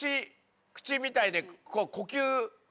口みたいで呼吸。